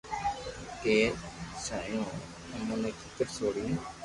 ڪيئي جايو ھون تمو ني ڪيڪر سوڙيو